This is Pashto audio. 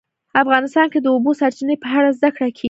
افغانستان کې د د اوبو سرچینې په اړه زده کړه کېږي.